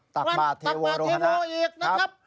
ตักบาทเทโวโรฮนะครับวันตักบาทเทโวโรอีกนะครับ